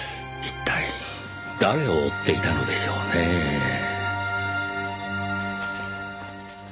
一体誰を追っていたのでしょうねぇ？